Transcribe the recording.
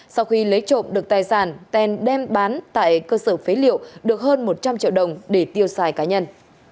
sau khi lấy trộm được tài sản tèn đem bán tại cơ sở phế liệu được hơn một trăm linh triệu đồng để tiêu xài cá nhân